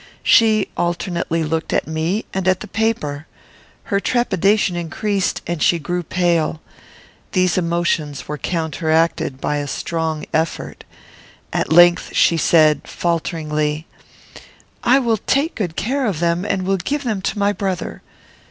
She alternately looked at me and at the paper. Her trepidation increased, and she grew pale. These emotions were counteracted by a strong effort. At length she said, falteringly, "I will take good care of them, and will give them to my brother."